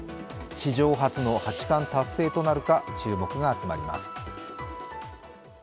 史上初の八冠達成となるか注目が集まります。